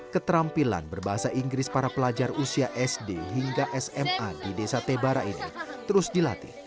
keterampilan berbahasa inggris para pelajar usia sd hingga sma di desa tebara ini terus dilatih